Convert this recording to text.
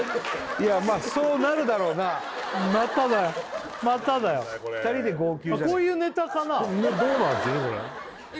いやまあそうなるだろうなまただよまただよ２人で号泣じゃねえ